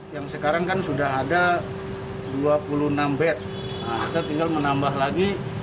yang sekarang kan sudah ada dua puluh enam bed kita tinggal menambah lagi